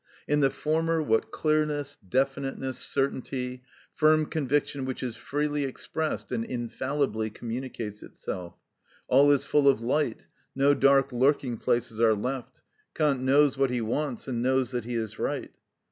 In the former, what clearness, definiteness, certainty, firm conviction which is freely expressed and infallibly communicates itself! All is full of light, no dark lurking places are left: Kant knows what he wants and knows that he is right.